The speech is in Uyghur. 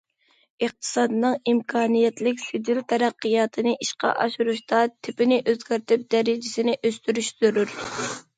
ئىقتىسادنىڭ ئىمكانىيەتلىك سىجىل تەرەققىياتىنى ئىشقا ئاشۇرۇشتا تىپنى ئۆزگەرتىپ، دەرىجىسىنى ئۆستۈرۈش زۆرۈر.